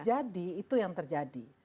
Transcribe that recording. jadi itu yang terjadi